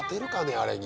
あれに。